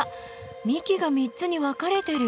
幹が３つに分かれてる。